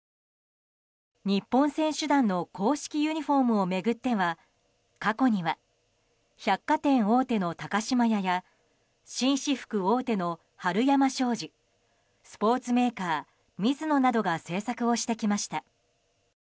日本選手団の公式ユニホームを巡っては過去には百貨店大手の高島屋や紳士服大手のはるやま商事スポーツメーカー、ミズノなどが製作をしてきました。